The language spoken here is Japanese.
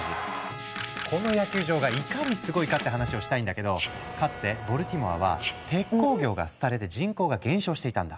この野球場がいかにすごいかって話をしたいんだけどかつてボルティモアは鉄鋼業が廃れて人口が減少していたんだ。